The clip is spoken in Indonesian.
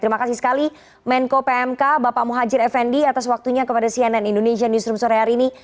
terima kasih sekali menko pmk bapak muhajir effendi atas waktunya kepada cnn indonesia newsroom sore hari ini